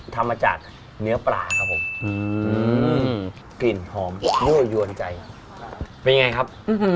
ทำมาจากเนื้อปลาครับผมกลิ่นหอมยั่วยวนใจเป็นยังไงครับ